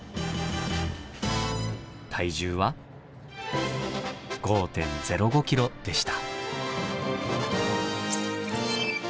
体重は５．０５ｋｇでした。